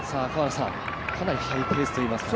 かなりハイペースといいますかね。